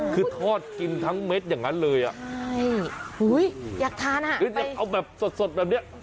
คือทอดกินทั้งเม็ดอย่างนั้นเลยอ่ะใช่อุ้ยอยากทานอ่ะหรืออยากเอาแบบสดสดแบบเนี้ย